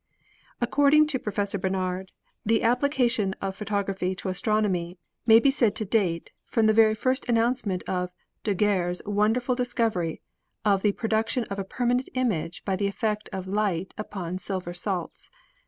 According to Professor Barnard, the ap plication of photography to astronomy may be said to date from the very first announcement of Daguerre's wonderful discovery of the production of a permanent image by the effect of light upon silver salts.